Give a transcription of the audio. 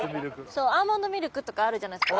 うアーモンドミルクとかあるじゃないですか。